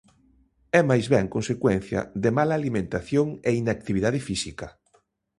É máis ben consecuencia de mala alimentación e inactividade física.